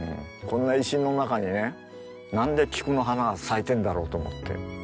こんな石の中にねなんで菊の花が咲いてるんだろうと思って。